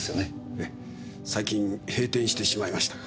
ええ最近閉店してしまいましたが。